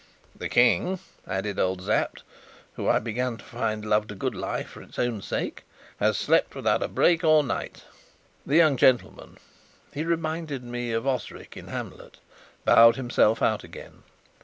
"The King," added old Sapt (who, I began to find, loved a good lie for its own sake), "has slept without a break all night." The young gentleman (he reminded me of "Osric" in Hamlet) bowed himself out again.